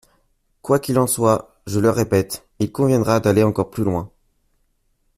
Quoi qu’il en soit, je le répète, il conviendra d’aller encore plus loin.